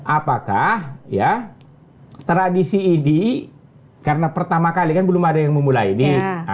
apakah tradisi ini karena pertama kali kan belum ada yang memulai ini